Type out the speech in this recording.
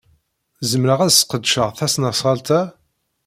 Zemreɣ ad sqedceɣ tasnasɣalt-a?